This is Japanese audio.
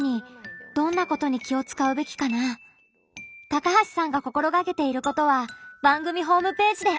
高橋さんが心がけていることは番組ホームページで。